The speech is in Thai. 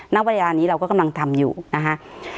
นักบริยานี้เราก็กำลังทำอยู่นะคะ